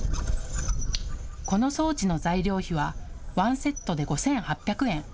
この装置の材料費はワンセットで５８００円。